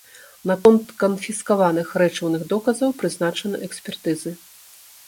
Наконт канфіскаваных рэчыўных доказаў прызначаны экспертызы.